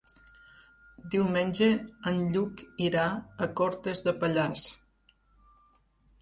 Diumenge en Lluc irà a Cortes de Pallars.